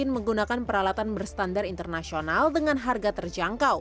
menggunakan peralatan berstandar internasional dengan harga terjangkau